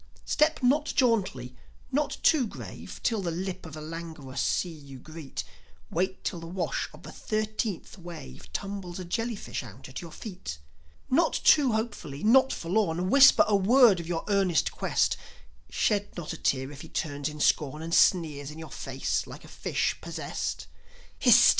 Step not jauntily, not too grave, Till the lip of the languorous sea you greet; Wait till the wash of the thirteenth wave Tumbles a jellyfish out at your feet. Not too hopefully, not forlorn, Whisper a word of your earnest quest; Shed not a tear if he turns in scorn And sneers in your face like a fish possessed. Hist!